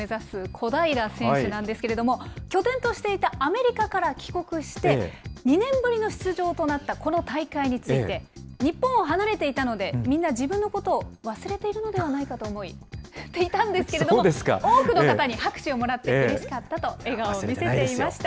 小平選手なんですけれども、拠点としていたアメリカから帰国して、２年ぶりの出場となったこの大会について、日本を離れていたので、みんな自分のことを忘れているのではないかと思い、と思っていたんですけれども、多くの方に拍手をもらってうれしかったと笑顔を見せていました。